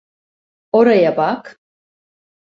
Oraya bak!